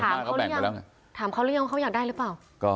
ถามเขาหรือยังว่าเขาอยากได้หรือเปล่า